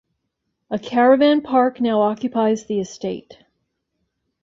A caravan park now occupies the estate.